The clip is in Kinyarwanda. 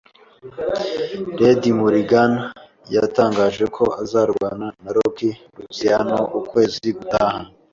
Red Mulligan yatangaje ko azarwana na Rocky Luciano ukwezi gutaha